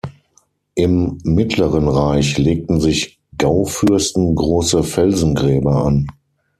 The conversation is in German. Im Mittleren Reich legten sich Gaufürsten große Felsengräber an.